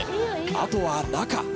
あとは中。